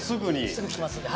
すぐ来ますんで。